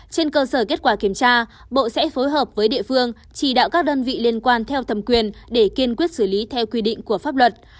trên cơ sở kết quả kiểm tra bộ sẽ phối hợp với địa phương chỉ đạo các đơn vị liên quan theo thẩm quyền để kiên quyết xử lý theo quy định của pháp luật